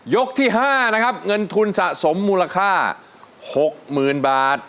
ยกที่ห้านะครับเงินทุนสะสมมูลค่าหกหมื่นบาท